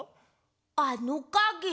あのかげ？